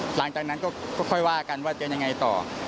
หลังจากนั้นก็ค่อยว่ากันว่าจะยังไงต่อ